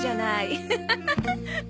アハハハハ。